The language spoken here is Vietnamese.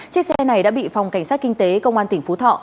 chiếc xe này đã bị phòng cảnh sát kinh tế công an tỉnh phú thọ